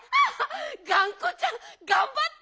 がんこちゃんがんばって！